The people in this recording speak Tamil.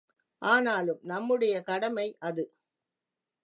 ஆனாலும் நம்முடைய கடமை அது.